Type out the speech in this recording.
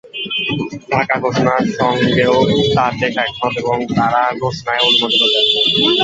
ঢাকা ঘোষণার সঙ্গেও তাঁর দেশ একমত এবং তাঁরা ঘোষণায় অনুমোদনও দেন।